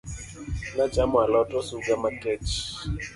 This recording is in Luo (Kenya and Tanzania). Nachamo alot osuga makech